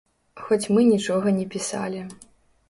Хоць мы нічога не пісалі.